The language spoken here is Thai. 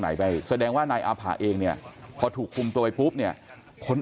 ไปแสดงว่านายอาผะเองเนี่ยพอถูกคุมตัวไปปุ๊บเนี่ยคน